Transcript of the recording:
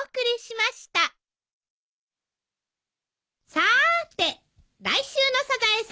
さーて来週の『サザエさん』は？